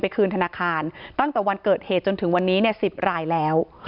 คืนธนาคารตั้งแต่วันเกิดเหตุจนถึงวันนี้๑๐รายแล้ว